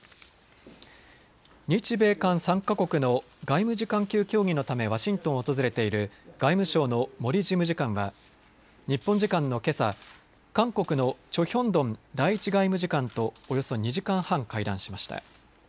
日米韓３か国の外務次官級協議のため、ワシントンを訪れている外務省の森事務次官は日本時間のけさ、韓国のチョ・ヒョンドン第１外務次官とおよそ２時間半会談しました。